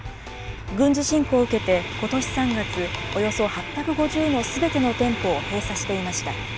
軍事侵攻を受けてことし３月、およそ８５０のすべての店舗を閉鎖していました。